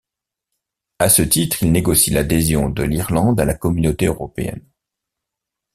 À ce titre, il négocie l'adhésion de l'Irlande à la Communauté européenne.